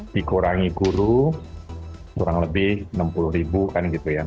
dikurangi guru kurang lebih enam puluh ribu kan gitu ya